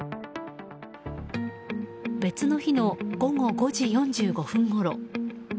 別の日の午後５時４５分ごろ。